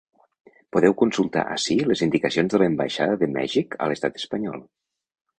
Podeu consultar ací les indicacions de l’ambaixada de Mèxic a l’estat espanyol.